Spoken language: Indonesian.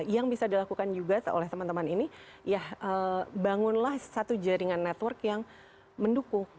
yang bisa dilakukan juga oleh teman teman ini ya bangunlah satu jaringan network yang mendukung